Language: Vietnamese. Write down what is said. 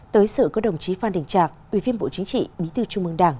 tới sự có đồng chí phan đình trạc ủy viên bộ chính trị bí tư trung ương đảng